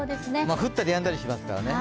降ったりやんだりしますからね。